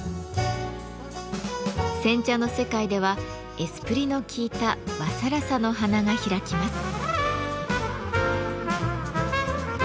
煎茶の世界ではエスプリの効いた和更紗の華が開きます。